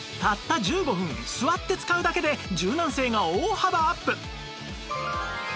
たった１５分座って使うだけで柔軟性が大幅アップ！